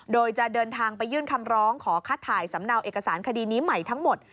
โดยจะเดินทางไปยื่นคำร้องขอคัดถ่ายสำเนาเอกสารคดีนี้ใหม่ทั้งหมด